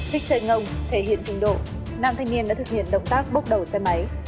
thích chơi ngông thể hiện trình độ nam thanh niên đã thực hiện động tác bốc đầu xe máy